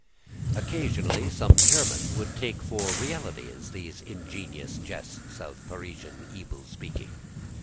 Occasionally some German would take for realities these ingenious jests of Parisian evil speaking.